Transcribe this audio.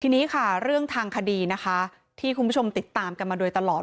ทีนี้ค่ะเรื่องทางคดีนะคะที่คุณผู้ชมติดตามกันมาโดยตลอด